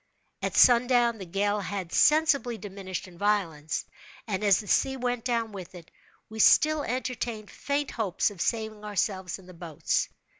At sundown, the gale had sensibly diminished in violence, and as the sea went down with it, we still entertained faint hopes of saving ourselves in the boats.